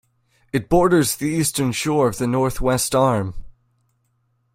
It borders the eastern shore of the Northwest Arm.